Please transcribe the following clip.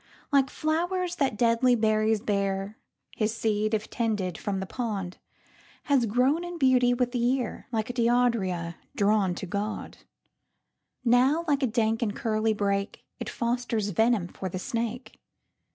Like flowers that deadly berries bear, His seed, if tended from the pod, Had grown in beauty with the year, Like deodara drawn to God; Now, like a dank and curly brake, It fosters venom for the snake.